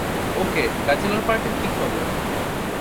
ওকে, bachelor পার্টির কি খবর?